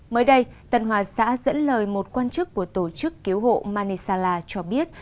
mới đây tân hòa xã dẫn lời một quan chức của tổ chức cứu hộ manisala cho biết